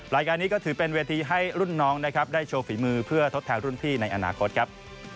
รายการนี้ก็ถือเป็นเวทีให้รุ่นน้องนะครับได้โชว์ฝีมือเพื่อทดแทนรุ่นพี่ในอนาคตครับ